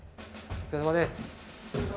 お疲れさまです。